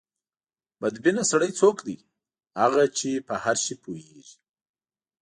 بد بینه سړی څوک دی؟ هغه چې په هر شي پوهېږي.